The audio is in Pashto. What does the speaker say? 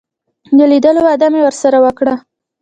د لیدلو وعده مې ورسره وکړه.